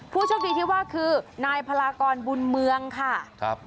ผู้โชคดีที่ว่าคือนายพลากรบุญเมืองค่ะครับ